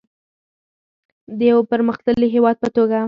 د یو پرمختللي هیواد په توګه.